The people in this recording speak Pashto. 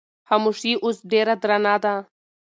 خاموشي اوس ډېره درنه ده.